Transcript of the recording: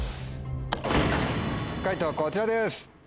解答こちらです。